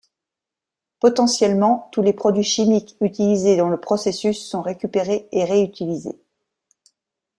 Potentiellement, tous les produits chimiques utilisés dans le processus sont récupérés et réutilisés.